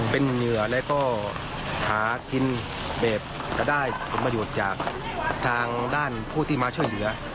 เป็นเหงื่อและก็หาทิ้งเบบก็ได้อุปโมยุทธ์จากทางด้านผู้ที่มาเชื่อเหงื่อ